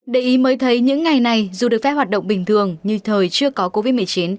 để ý mới thấy những ngày này dù được phép hoạt động bình thường như thời chưa có covid một mươi chín